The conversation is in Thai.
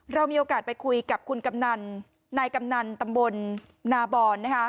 เรามีโอกาสไปคุยกับคุณกำนันนายกำนันตำบลนาบอนนะคะ